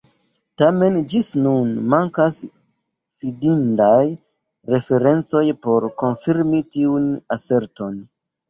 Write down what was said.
Tamen ĝis nun mankas fidindaj referencoj por konfirmi tiun aserton.